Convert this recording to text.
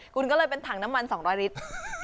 คุณก็เลยเป็นถังน้ำมัน๒๐๐ลิตร